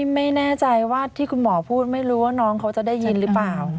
ไม่แน่ใจว่าที่คุณหมอพูดไม่รู้ว่าน้องเขาจะได้ยินหรือเปล่า